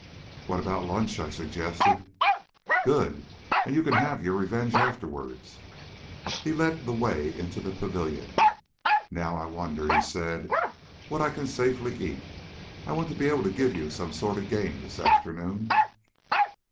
"What about lunch?" I suggested. "Good; and you can have your revenge afterwards." He led the way into the pavilion. "Now I wonder," he said, "what I can safely eat. I want to be able to give you some sort of a game this afternoon."